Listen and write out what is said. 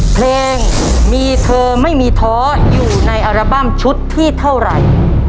เพลงมีเธอไม่มีท้ออยู่ในอัลบั้มชุดที่เท่าไหร่